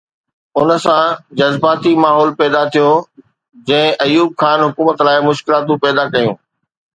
ان سان جذباتي ماحول پيدا ٿيو، جنهن ايوب خان حڪومت لاءِ مشڪلاتون پيدا ڪيون.